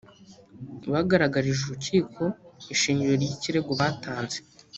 bagaragarije urukiko ishingiro ry’ikirego batanze